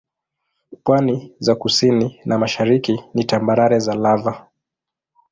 Pwani za kusini na mashariki ni tambarare za lava.